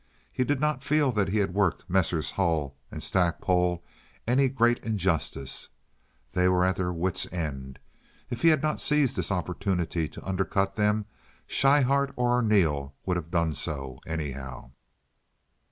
He did not feel that he had worked Messrs. Hull and Stackpole any great injustice. They were at their wit's end. If he had not seized this opportunity to undercut them Schryhart or Arneel would have done so, anyhow.